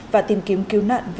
và tìm kiếm cứu nạn